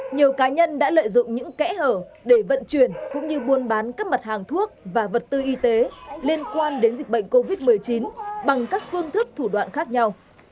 nhiều cá nhân đã lợi dụng những kẽ hở để vận chuyển cũng như buôn bán các mặt hàng thuốc và vật tư y tế liên quan đến dịch bệnh covid một mươi chín bằng các phương thức thủ đoạn khác nhau